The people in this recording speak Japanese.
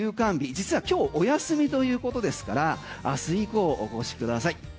実は今日お休みということですから明日以降お越しください。